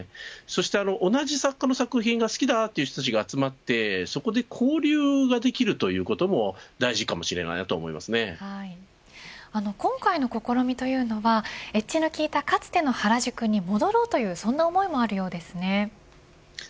同じ作家の作品を好きだという人たちが集まってそこで交流ができるということも今回の試みというのはエッジのきいたかつての原宿に戻ろうという思いもあるようですね。